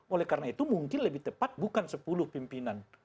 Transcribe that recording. oleh karena itu mungkin lebih tepat bukan sepuluh pimpinan